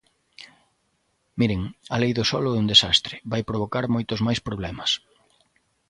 Miren, a Lei do solo é un desastre, vai provocar moitos máis problemas.